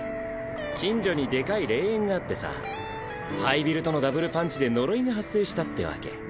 近所にでかい霊園があってさ廃ビルとのダブルパンチで呪いが発生したってわけ。